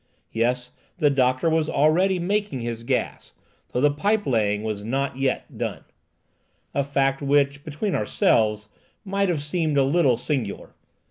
Yes, the doctor was already making his gas, though the pipe laying was not yet done; a fact which, between ourselves, might have seemed a little singular.